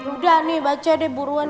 udah nih baca deh buruan